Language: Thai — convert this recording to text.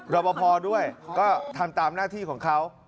รอปภด้วยก็ทำตามหน้าที่ของเขา